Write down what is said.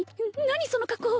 何その格好